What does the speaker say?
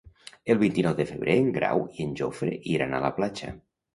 El vint-i-nou de febrer en Grau i en Jofre iran a la platja.